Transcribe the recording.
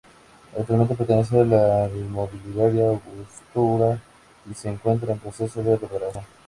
Actualmente pertenece a la Inmobiliaria Angostura y se encuentra en proceso de remodelación.